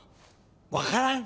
分からん。